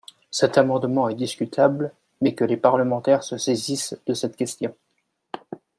Cet amendement est discutable, mais que les parlementaires se saisissent de cette question